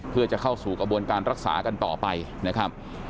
เพื่อจะเข้าสู่กระบวนการรักษากันต่อไปนะครับ